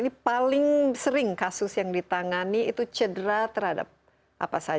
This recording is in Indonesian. ini paling sering kasus yang ditangani itu cedera terhadap apa saja